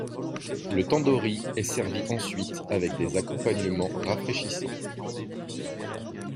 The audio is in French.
Le tandoori est servi ensuite avec des accompagnements rafraîchissants.